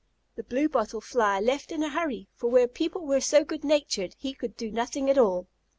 The Blue bottle Fly left in a hurry, for where people were so good natured he could do nothing at all.